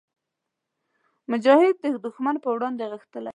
مجاهد د ښمن پر وړاندې غښتلی وي.